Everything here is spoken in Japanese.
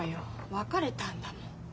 別れたんだもん。